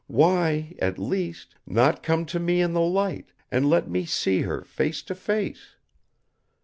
Why, at least, not come to me in the light, and let me see her face to face?